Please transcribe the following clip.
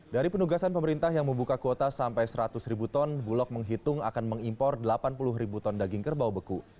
dari penugasan pemerintah yang membuka kuota sampai seratus ribu ton bulog menghitung akan mengimpor delapan puluh ribu ton daging kerbau beku